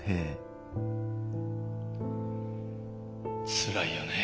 つらいよねえ。